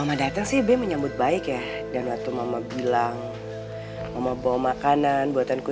allah beri kemahiran di atas hatiku